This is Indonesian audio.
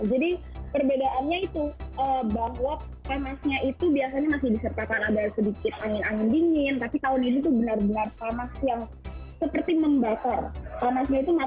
jadi perbedaannya itu bahwa panasnya itu biasanya masih disertakan ada sedikit angin angin dingin tapi tahun ini itu benar benar panas yang seperti membakar